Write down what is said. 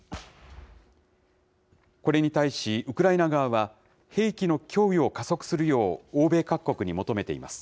これに対し、ウクライナ側は、兵器の供与を加速するよう、欧米各国に求めています。